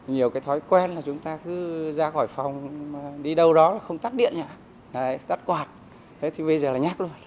nhiều thói quen là chúng ta cứ ra khỏi phòng đi đâu đó không tắt điện tắt quạt thế thì bây giờ là nhát luôn